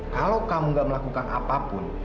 kalau kamu gak melakukan apapun